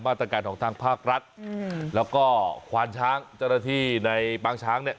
มาตรการของทางภาครัฐแล้วก็ควานช้างจรฐีในปางช้างเนี่ย